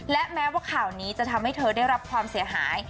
และแม้ว่าข่าวนี้จะทำให้เธอได้รับความเสียหาย